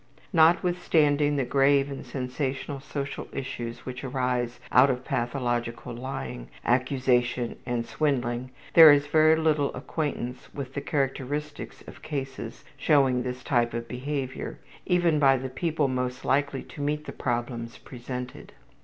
Notwithstanding the grave and sensational social issues which arise out of pathological lying, accusation, and swindling, there is very little acquaintance with the characteristics of cases showing this type of behavior, even by the people most likely to meet the problems presented.